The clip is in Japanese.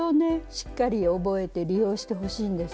しっかり覚えて利用してほしいんです。